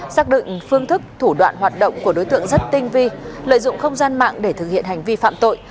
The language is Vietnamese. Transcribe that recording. xác định phương thức thủ đoạn hoạt động của đối tượng rất tinh vi lợi dụng không gian mạng để thực hiện hành vi phạm tội